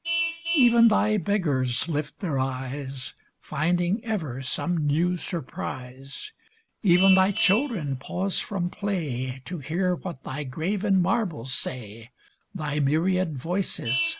Even thy beggars lift their eyes, Finding ever some new surprise ; Even thy children pause from play, To hear what thy graven marbles say, Thy myriad voices, Nuremberg